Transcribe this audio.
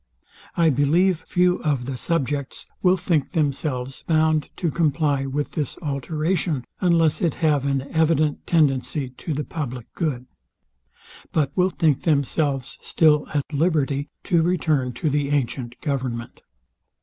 I believe few of the subjects will think themselves bound to comply with this alteration, unless it have an evident tendency to the public good: But men think themselves still at liberty to return to the antient government.